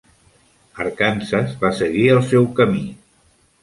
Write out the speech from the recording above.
"Arkansas" va seguir el seu camí.